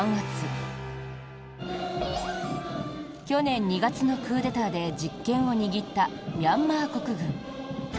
去年２月のクーデターで実権を握ったミャンマー国軍。